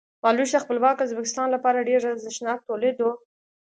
مالوچ د خپلواک ازبکستان لپاره ډېر ارزښتناک تولید و.